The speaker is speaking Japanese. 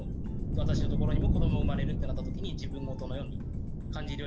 私のところにも子ども生まれるってなった時に自分事のように感じるようになって。